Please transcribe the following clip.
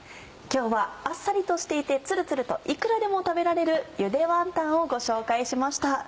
今日はあっさりとしていてツルツルといくらでも食べられるゆでワンタンをご紹介しました。